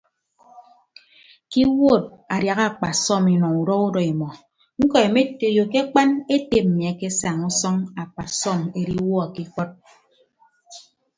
Ke iwuod adiaha akpasọm inọ udọ udọ imọ ñkọ emetoiyo ke akpan ete mmi akesaña usʌñ akpasọm ediwuọ ke ikọd.